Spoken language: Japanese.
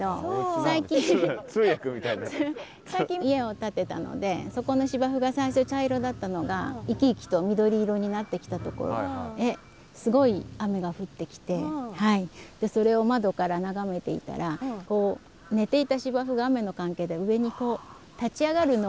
最近家を建てたのでそこの芝生が最初茶色だったのが生き生きと緑色になってきたところへすごい雨が降ってきてそれを窓から眺めていたらすごいね。